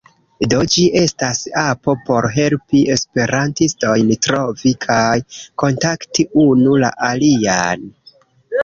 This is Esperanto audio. Do, ĝi estas apo por helpi esperantistojn trovi kaj kontakti unu la alian.